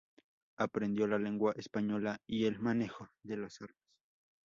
Aprendió la lengua española y el manejo de las armas.